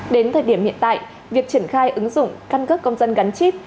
đến thời điểm hiện tại việc triển khai ứng dụng căn cước công dân gắn chip